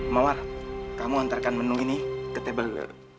ma'war kamu hantarkan menu ini ke table tiga puluh tujuh